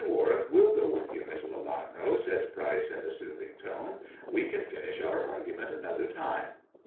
Warwick will go with you, Miss Lelanro," said Pryce in a soothing tone; "we can finish our argument another time."